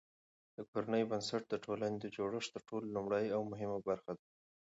د کورنۍ بنسټ د ټولني د جوړښت تر ټولو لومړۍ او مهمه برخه ده.